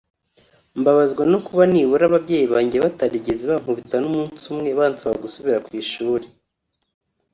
Mbabazwa no kuba nibura ababyeyi banjye batarigeze bankubita n’umunsi umwe bansaba gusubira ku ishuri